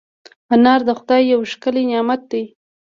انار د خدای یو ښکلی نعمت دی.